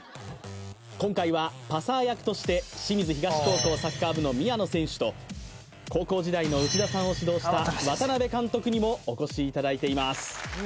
今回はパサー役として清水東高校サッカー部の宮野選手と高校時代の内田さんを指導した渡邊監督にもお越しいただいています